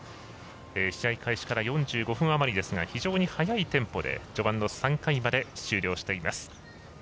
試合開始から４５分あまりですが非常に速いテンポで序盤の３回まで終了しています。